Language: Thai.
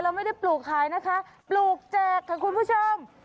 ไม่ได้ปลูกขายนะคะปลูกแจกค่ะคุณผู้ชม